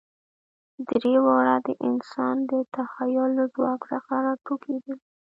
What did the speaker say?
درې واړه د انسان د تخیل له ځواک څخه راټوکېدلي.